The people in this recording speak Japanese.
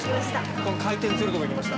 この回転するとこ行きました。